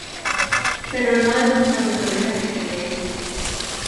Pero no de sus profesores en el colegio.